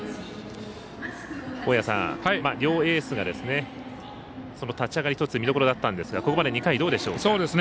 両エースが立ち上がり１つ見どころだったんですがここまで２回、どうでしょうか。